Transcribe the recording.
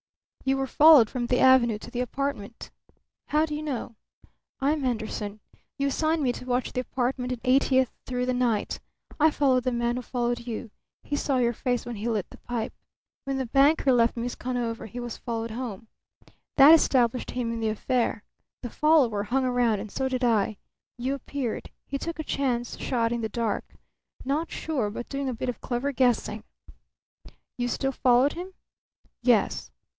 "You were followed from the Avenue to the apartment." "How do you know?" "I am Henderson. You assigned me to watch the apartment in Eightieth through the night. I followed the man who followed you. He saw your face when you lit the pipe. When the banker left Miss Conover he was followed home. That established him in the affair. The follower hung round, and so did I. You appeared. He took a chance shot in the dark. Not sure, but doing a bit of clever guessing." "You still followed him?" "Yes."